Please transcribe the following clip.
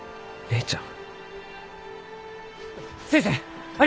万ちゃん！